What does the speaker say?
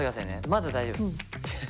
まだ大丈夫です。